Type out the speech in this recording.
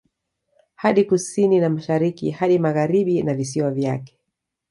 Hadi Kusini na Mashariki hadi Magharibi na visiwa vyake